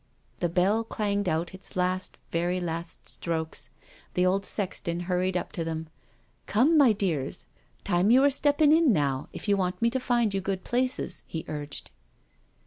The bell clanged out its last, very last strokes. The old sexton hurried up to them :Come, my dears — time you were steppin' in now, if you want me to find you good places," he urged.